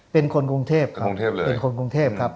เป็นคนกรุงเทพครับเป็นคนกรุงเทพครับ